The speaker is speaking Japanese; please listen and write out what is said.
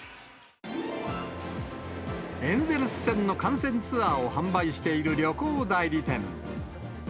エンゼルス戦の観戦ツアーを販売している旅行代理店。